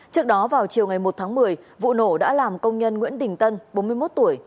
trước đó vào chiều ngày một tháng một mươi vụ nổ đã làm công nhân nguyễn đình tân bốn mươi một tuổi